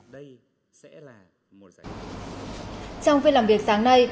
trong phiên làm việc sáng nay